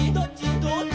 「どっち」